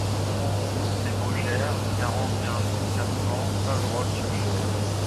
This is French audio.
Route des Maugères, quarante et un mille quatre cents Faverolles-sur-Cher